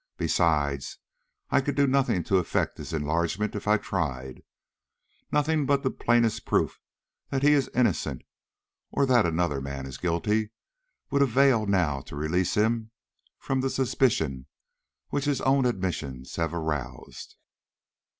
Besides, I could do nothing to effect his enlargement if I tried. Nothing but the plainest proof that he is innocent, or that another man is guilty, would avail now to release him from the suspicion which his own admissions have aroused."